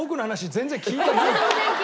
全然聞いてない。